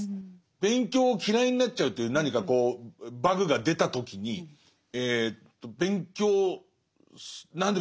勉強を嫌いになっちゃうという何かこうバグが出た時に勉強何で勉強しなきゃいけないんだ